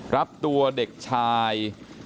รับตัวเด็กชาย